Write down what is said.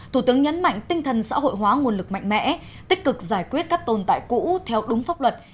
thủ tướng nhấn mạnh tinh thần xã hội hóa nguồn lực mạnh mẽ tích cực giải quyết các tồn tại cũ theo đúng pháp luật